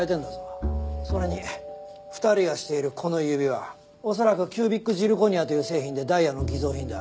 それに２人がしているこの指輪恐らくキュービックジルコニアという製品でダイヤの偽造品だ。